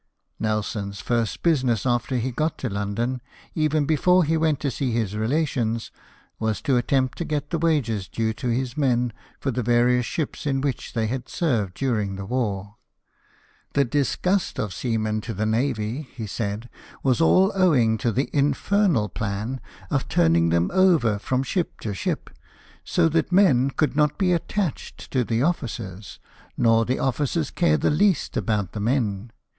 Nelson's first business after he got to London, even before he went to see his relations, was to attempt to get the wages due to his men for the various ships in which they had served during the war. "The disgust of seamen to the navy," he said, " was all owing to the infernal plan of turning them over from ship to ship, so that men could not be attached to the officers, nor the officers care the least about the men."